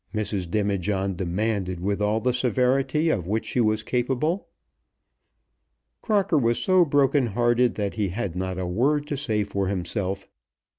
Mrs. Demijohn demanded with all the severity of which she was capable. Crocker was so broken hearted that he had not a word to say for himself.